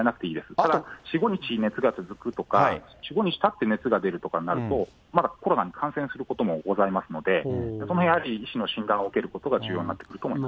あと、４、５日、熱が続くとか、４、５日たって熱が出るということになると、まだコロナに感染することもございますので、そこもやはり医師の診断を受けることが重要になってくると思いま